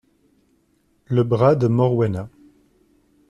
Le bras de Morwena.